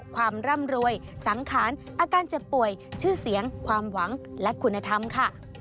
ความร่ำรวยสังขารอาการเจ็บป่วยชื่อเสียงความหวังและคุณธรรมค่ะ